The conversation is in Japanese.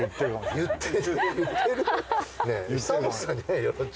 言ってる？